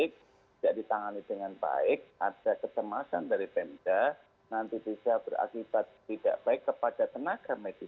pihak rumah sakit qem menyatakan akan dilakukan mulai sabtu sembilan mei hingga delapan belas mei